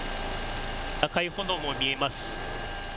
赤い炎も見えます。